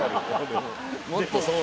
もっとそう。